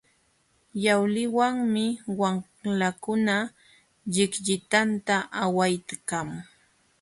Yawliwanmi wamlakuna llikllitanta awaykan.